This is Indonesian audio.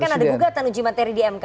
oke tapi kan ada gugatan uji materi di mk